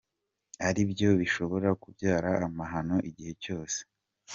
Aribyo bishobora kubyara amahano igihe cyose.